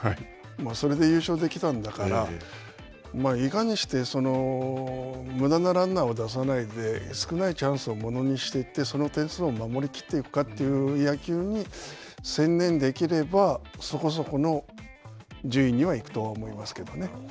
それで優勝できたんだから、いかにしてそのむだなランナーを出さないで少ないチャンスをものにしていってその点数を守り切っていくかという野球に専念できれば、そこそこの順位には行くとは思いますけどね。